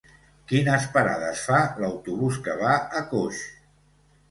Quines parades fa l'autobús que va a Coix?